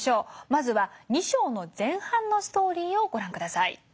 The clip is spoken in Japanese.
まずは２章の前半のストーリーをご覧下さい。